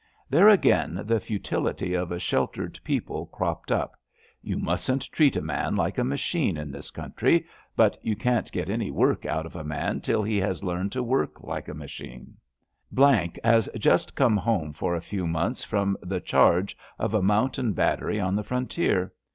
There again the futility of a sheltered people cropped up. You mustn^t treat a man like a machine in this coxmtry, but you can't get any work out of a man till he has learned to work like a machine. D has just come home for a few months from the charge of a mountain battery on the frontier.